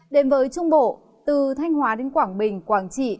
đến với trung bộ từ thanh hóa đến quảng bình quảng trị